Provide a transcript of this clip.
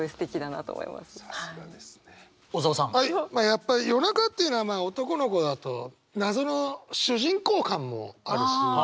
やっぱり夜中っていうのはまあ男の子だと謎の主人公感もあるし。